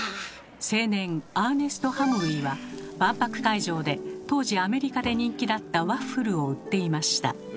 青年アーネスト・ハムウィは万博会場で当時アメリカで人気だったワッフルを売っていました。